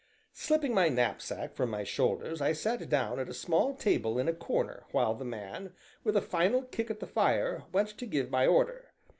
Slipping my knapsack from my shoulders, I sat down at a small table in a corner while the man, with a final kick at the fire, went to give my order.